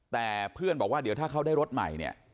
แต่เพื่อนบอกว่าเดี๋ยวถ้าเขาได้รถใหม่เนี่ย